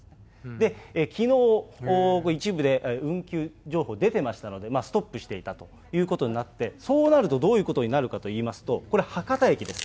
で、きのう一部で運休情報出てましたので、ストップしていたということになって、そうなると、どういうことになるかといいますと、これ、博多駅です。